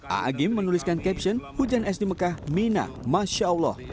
a'agim menuliskan caption hujan es di mekah mina masya allah